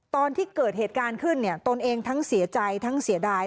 ตอนที่เกิดเหตุการณ์ขึ้นเนี่ยตนเองทั้งเสียใจทั้งเสียดาย